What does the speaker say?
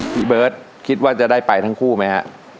พี่เบิร์ตคิดว่าจะได้ไปทั้งคู่ไหมฮะ